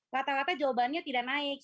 rata rata jawabannya tidak naik